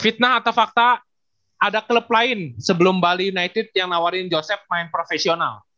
fitnah atau fakta ada klub lain sebelum bali united yang nawarin joseph main profesional